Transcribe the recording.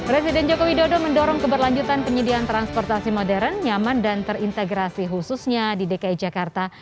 presiden joko widodo mendorong keberlanjutan penyediaan transportasi modern nyaman dan terintegrasi khususnya di dki jakarta